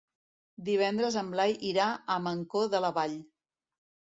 Divendres en Blai irà a Mancor de la Vall.